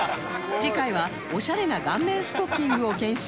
次回はオシャレな顔面ストッキングを検証